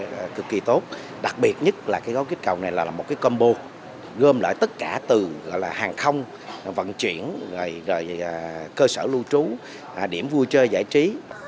cái kích cầu này cực kỳ tốt đặc biệt nhất là cái gói kích cầu này là một cái combo gom lại tất cả từ hàng không vận chuyển cơ sở lưu trú điểm vui chơi giải trí